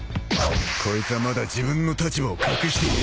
［こいつはまだ自分の立場を隠している］